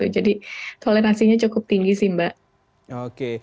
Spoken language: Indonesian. jadi toleransinya cukup tinggi mbak